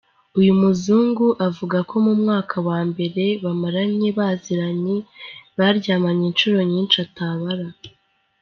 Uyu muzungu avuga ko mu mwaka wa mbere bamaranye baziranye baryamanye inshuro nyinshi atabara.